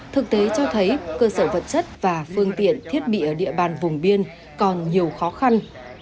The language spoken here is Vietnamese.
thực tế cho thấy cơ sở vật chất và phương tiện thiết bị ở địa bàn vùng biên còn nhiều khó khăn